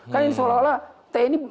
kan insya allah tni